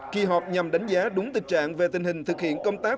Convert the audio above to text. kỳ họp nhằm đánh giá đúng tình trạng về tình hình thực hiện công tác